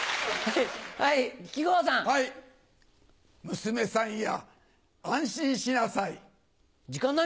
娘さんや安心しなさい。